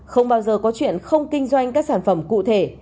không bao giờ có chuyện không kinh doanh các sản phẩm cụ thể